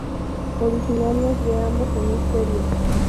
Originarias de ambos hemisferios.